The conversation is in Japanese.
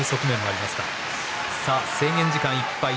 制限時間いっぱい。